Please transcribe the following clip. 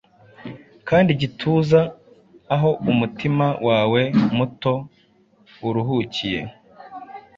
kandi igituza Aho umutima wawe muto uruhukiye.